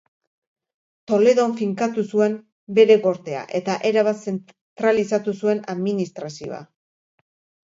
Toledon finkatu zuen bere gortea eta erabat zentralizatu zuen administrazioa.